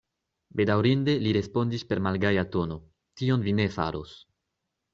Bedaŭrinde, li respondis per malgaja tono, tion vi ne faros.